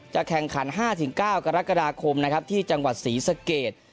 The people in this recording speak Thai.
จะแข่งขันห้าถึงเก้ากรกฎาคมนะครับที่จังหวัดศรีสเกต